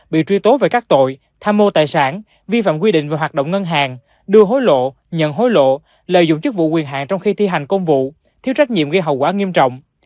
bị truy tố về các tội tham mô tài sản vi phạm quy định về hoạt động ngân hàng đưa hối lộ nhận hối lộ lợi dụng chức vụ quyền hạn trong khi thi hành công vụ thiếu trách nhiệm gây hậu quả nghiêm trọng